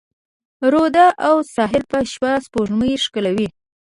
رود او ساحل به شپه، سپوږمۍ ښکلوي